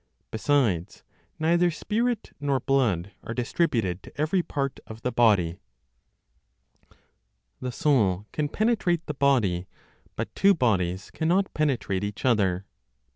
Besides, neither spirit nor blood are distributed to every part of the body. THE SOUL CAN PENETRATE THE BODY; BUT TWO BODIES CANNOT PENETRATE EACH OTHER. (10).